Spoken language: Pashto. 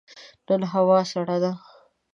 نن هوا سړه ده.